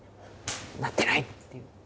「なってない！」っていう。